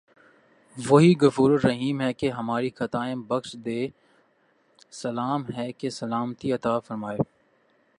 وہی غفورالرحیم ہے کہ ہماری خطائیں بخش دے وہی سلام ہے کہ سلامتی عطافرمائے